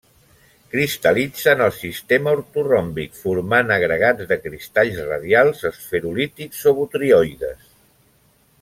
Cristal·litza en el sistema ortoròmbic formant agregats de cristalls radials, esferulítics o botrioides.